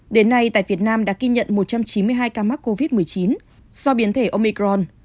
đến nay tại việt nam đã ghi nhận một trăm chín mươi hai ca mắc covid một mươi chín do biến thể omicron